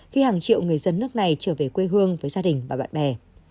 khi hàng triệu người dân nước này trở về quê hương với gia đình và bạn bè